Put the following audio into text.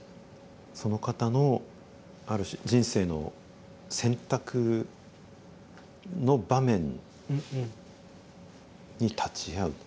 その方のある種人生の選択の場面に立ち会う。